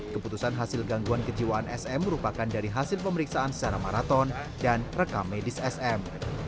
keputusan hasil gangguan kejiwaan sm merupakan dari hasil pemeriksaan secara maraton dan rekam medis sm